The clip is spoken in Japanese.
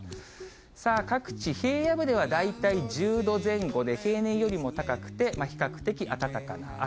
さあ、各地平野部では大体１０度前後で平年よりも高くて、比較的暖かな朝。